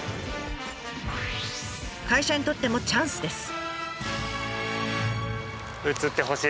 会社にとってもチャンスです。